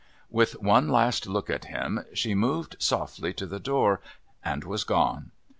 With one last look at him she moved softly to the door and was gone.